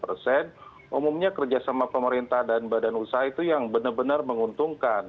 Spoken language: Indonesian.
nah ini adalah kerjasama pemerintah dan badan usaha itu yang benar benar menguntungkan